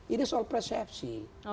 ini soal persepsi